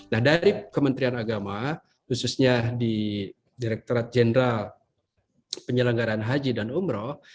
nah dari kementerian agama khususnya di direkturat jenderal penyelenggaraan haji dan umroh